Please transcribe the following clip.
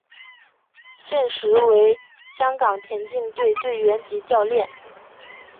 现时为香港田径队队员及教练。